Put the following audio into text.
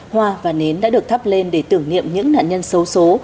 hoa và nến đã được thắp lên để tưởng niệm những nạn nhân xấu xố